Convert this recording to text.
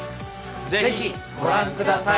ぜひご覧ください！